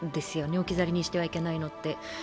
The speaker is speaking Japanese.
置き去りにしてはいけないのって。